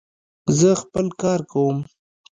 زه خپل کار کوم.